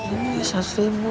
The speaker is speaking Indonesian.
ini satu ribu